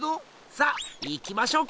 さあ行きましょうか！